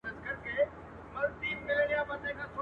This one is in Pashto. د پسرلي وريځو به .